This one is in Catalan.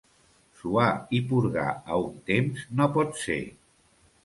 Suar i purgar a un temps, no pot ser.